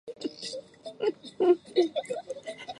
伏见宫贞清亲王是江户时代初期的皇族。